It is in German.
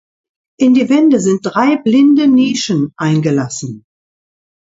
In die Wände sind drei blinde Nischen eingelassen.